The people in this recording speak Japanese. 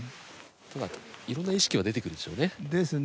ただいろんな意識は出てくるでしょうね。ですね。